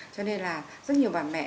cho nên là rất nhiều bà mẹ